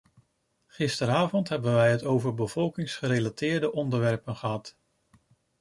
Gisteravond hebben we het over bevolkingsgerelateerde onderwerpen gehad.